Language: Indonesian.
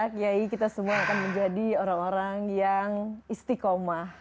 kiai kita semua akan menjadi orang orang yang istiqomah